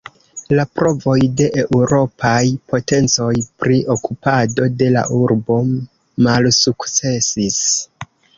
La provoj de eŭropaj potencoj pri okupado de la urbo malsukcesis.